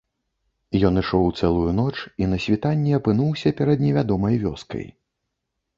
Ён ішоў цэлую ноч і на світанні апынуўся перад невядомай вёскай.